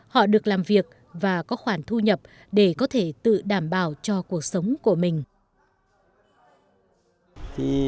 họ được làm việc và có khoản thu nhập để có thể tự đảm bảo cho cuộc sống của mình